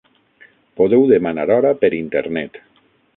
Podeu demanar hora per Internet.